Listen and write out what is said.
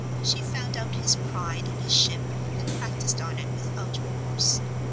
She found out his pride in his ship, and practiced on it without remorse.